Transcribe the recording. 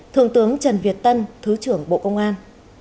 thượng tướng trần việt tân thứ trưởng bộ công an